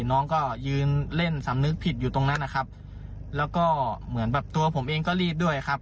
น้องก็ยืนเล่นสำนึกผิดอยู่ตรงนั้นนะครับแล้วก็เหมือนแบบตัวผมเองก็รีบด้วยครับ